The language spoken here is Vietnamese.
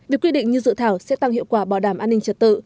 việc quy định như dự thảo sẽ tăng hiệu quả bảo đảm an ninh trật tự